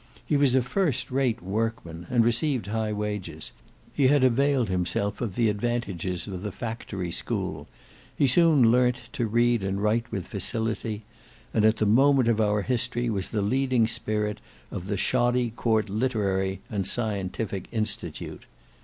He was a first rate workman and received high wages; he had availed himself of the advantages of the factory school; he soon learnt to read and write with facility, and at the moment of our history, was the leading spirit of the Shoddy Court Literary and Scientific Institute.